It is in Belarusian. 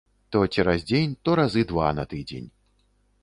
То цераз дзень, то разы два на тыдзень.